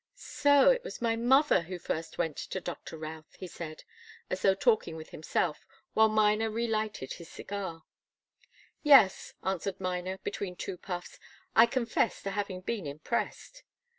"So it was my mother who went first to Doctor Routh," he said, as though talking with himself, while Miner relighted his cigar. "Yes," answered Miner, between two puffs. "I confess to having been impressed."